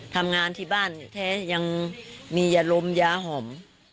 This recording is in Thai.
ทำงานที่บ้านแท้ยังมีอารมณ์ยาหอม